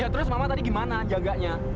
terus mama tadi gimana jaganya